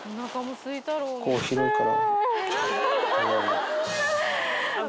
ここ、広いから。